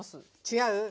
違う？